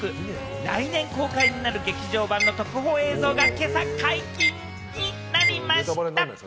来年公開になる劇場版の特報映像が今朝解禁になりました。